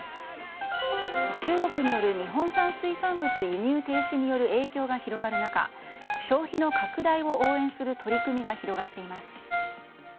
中国による日本産水産物輸入停止による影響が広がる中消費の拡大を応援する取り組みが広がっています。